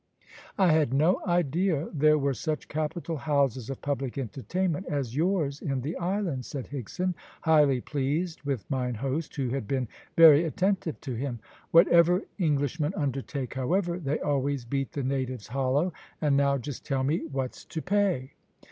"I had no idea there were such capital houses of public entertainment as yours in the island," said Higson, highly pleased with mine host, who had been very attentive to him. "Whatever Englishmen undertake, however, they always beat the natives hollow, and now just tell me what's to pay?"